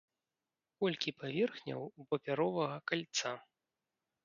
Колькі паверхняў у папяровага кальца?